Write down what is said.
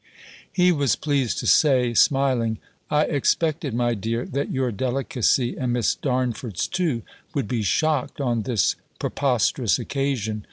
He was pleased to say, smiling, "I expected, my dear, that your delicacy, and Miss Darnford's too, would be shocked on this preposterous occasion.